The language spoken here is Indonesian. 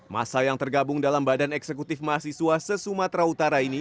masa yang tergabung dalam badan eksekutif mahasiswa se sumatera utara ini